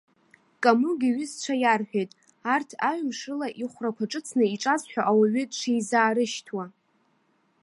Камыгә иҩызцәа иарҳәеит, арҭ аҩымш рыла ихәрақәа ҿыцны иҿазҳәо ауаҩы дшизаарышьҭуа.